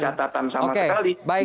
tidak ada catatan sama sekali